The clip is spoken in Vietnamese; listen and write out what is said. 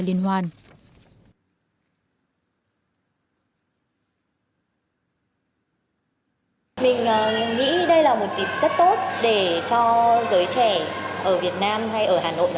điều nào sẽ khiến tòa giải pháp bị nhọc